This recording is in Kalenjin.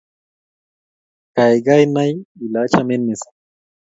Kaikai nai ile achamin missing'.